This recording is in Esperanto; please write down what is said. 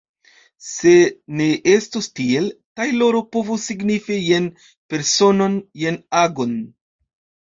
Se ne estus tiel, tajloro povus signifi jen personon, jen agon.